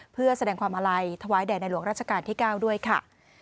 เพื่อแสดงความอาลัยถวายแด่ในหลวงราชการที่๙ด้วยค่ะ